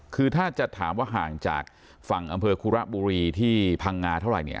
คือถ้าจะถามว่าห่างจากฝั่งอำเภอคุระบุรีที่พังงาเท่าไหร่เนี่ย